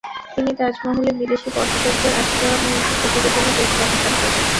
তিনি তাজমহলে বিদেশি পর্যটকদের আসা-যাওয়া নিয়ে একটি প্রতিবেদনও পেশ করেন সম্প্রতি।